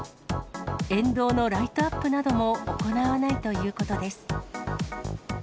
沿道のライトアップなども行わないということです。